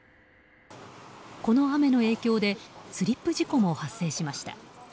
この雨の影響でスリップ事故も発生しました。